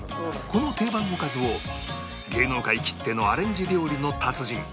この定番おかずを芸能界きってのアレンジ料理の達人